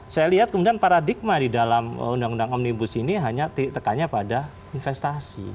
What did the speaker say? saya lihat kemudian paradigma di dalam undang undang omnibus ini hanya tekannya pada investasi